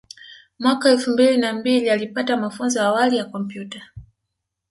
Mwaka elfu mbili na mbili alipata mafunzo ya awali ya kompyuta